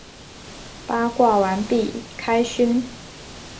八卦完毕，开勋！